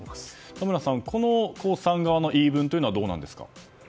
田村さん、この江さん側の言い分はどうなんですか？